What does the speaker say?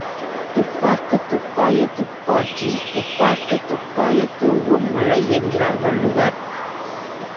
துப்பார்க்குத் துப்பாய துப்பாக்கித் துப்பார்க்குத் துப்பாய தூஉம் மழை என்கிறார் வள்ளுவர்.